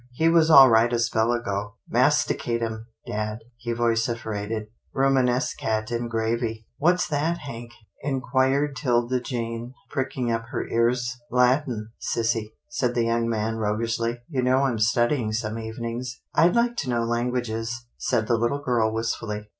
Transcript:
He was all right a spell ago. Masticatum, dad," he vociferated, " rumines cat in gravy." "What's that. Hank?" inquired 'Tilda Jane, pricking up her ears. " Latin, sissy," said the young man roguishly, " you know I'm studying some evenings." " I'd like to know languages," said the little girl wistfully.